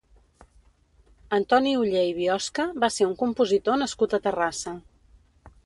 Antoni Oller i Biosca va ser un compositor nascut a Terrassa.